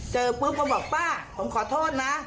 ปุ๊บก็บอกป้าผมขอโทษนะ